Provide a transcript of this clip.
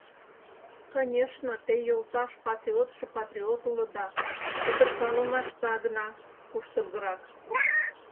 — Конечно, те, йолташ, патриотшо — патриот улыда, кутыркалымашда гына куштылгырак.